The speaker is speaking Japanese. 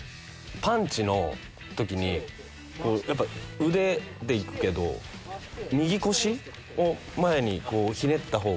パンチのときにやっぱ腕でいくけど右腰を前にこうひねった方が奇麗に。